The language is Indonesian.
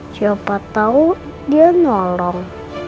siapa tau dia nolong